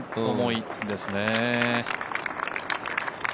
重いんですね。